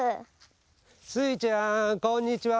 スイちゃんこんにちは。